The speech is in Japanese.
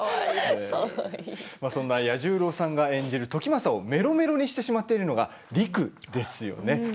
そんな彌十郎さんが演じる時政をメロメロにしてしまっているのが、りくですよね。